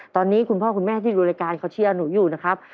ตอนนี้คุณพ่อคุณแม่ที่ดูรายการเขาเชียร์หนูอยู่นะครับ